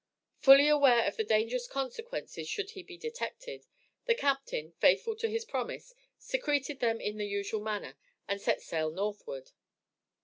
Fully aware of the dangerous consequences should he be detected, the captain, faithful to his promise, secreted them in the usual manner, and set sail northward.